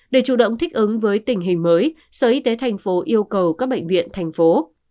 để chủ động thích ứng với tình hình mới sở y tế thành phố yêu cầu các bệnh viện thành phố